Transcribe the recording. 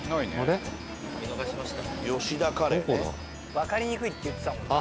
わかりにくいって言ってたもんな。